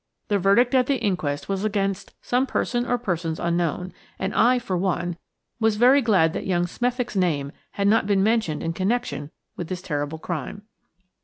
The verdict at the inquest was against some person or persons unknown; and I, for one, was very glad that young Smethick's name had not been mentioned in connection with this terrible crime.